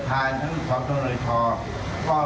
ก็ทั้งหมดเราร่วมกันในการที่จะกระจาย